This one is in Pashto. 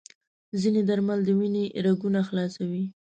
ځینې درمل د وینې رګونه خلاصوي.